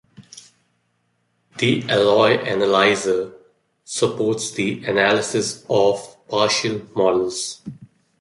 The Alloy Analyzer supports the analysis of partial models.